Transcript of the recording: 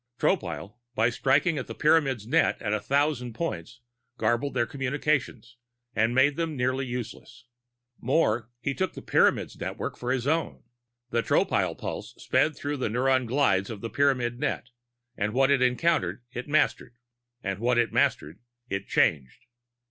Tropile, by striking at the Pyramids' net at a thousand points, garbled their communications and made them nearly useless. More, he took the Pyramid network for his own. The Tropile pulse sped through the neurone guides of the Pyramid net, and what it encountered it mastered, and what it mastered it changed.